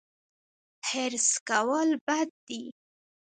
حرص کول بد دي